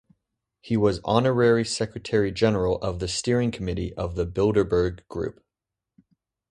He was Honorary Secretary General of the Steering Committee of the Bilderberg Group.